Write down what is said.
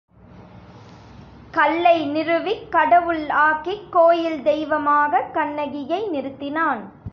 கல்லை நிறுவிக் கடவுள் ஆக்கிக் கோயில் தெய்வமாகக் கண்ணகியை நிறுத்தினான்.